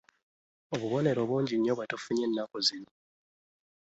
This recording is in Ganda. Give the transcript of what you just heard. Obubonero bungi nnyo bwe tufunye ennaku zino.